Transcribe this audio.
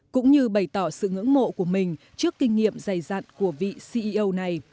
cũng như bày tỏ sự ngưỡng mộ của mình trước kinh nghiệm dày dặn của vị ceo này